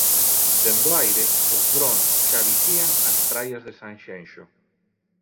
Dende o aire, os drons xa vixían as praias de Sanxenxo.